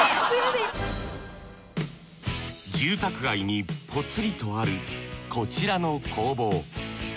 住宅街にポツリとあるこちらの工房。